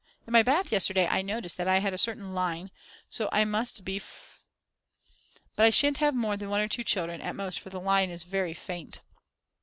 In my bath yesterday I noticed that I had a certain line, so I must be fr . But I shan't have more than 1 or 2 children at most for the line is very faint.